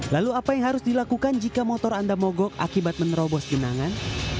lalu apa yang harus dilakukan jika motor anda mogok akibat menerobos genangan